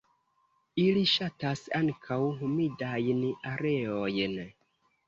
Ili ŝatas ankaŭ humidajn areojn.